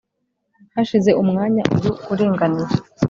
Hashize umwanya uyu uringaniye